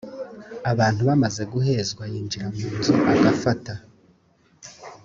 abantu bamaze guhezwa yinjira mu nzu agafata